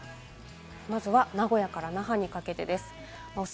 まずは名古屋から那覇にかけてです。